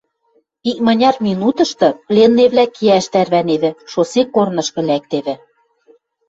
Икманяр минутышты пленныйвлӓ кеӓш тӓрвӓневӹ, шоссе корнышкы лӓктевӹ.